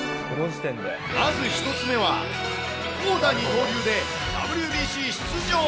まず一つ目は、投打二刀流でＷＢＣ出場。